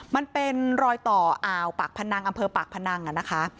มันเป็นรอยต่ออ่าวปากพนังอำเภอปากพนังนะคะ